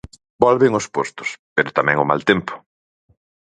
Volven os postos, pero tamén o mal tempo...